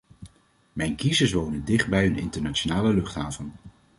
Mijn kiezers wonen dicht bij een internationale luchthaven.